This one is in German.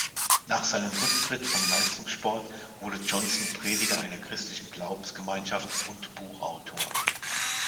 Nach seinem Rücktritt vom Leistungssport wurde Johnson Prediger einer christlichen Glaubensgemeinschaft und Buchautor.